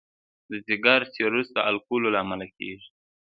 د ځګر سیروسس د الکولو له امله کېږي.